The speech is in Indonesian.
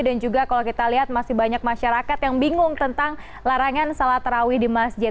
dan juga kalau kita lihat masih banyak masyarakat yang bingung tentang larangan sholat terawi di masjid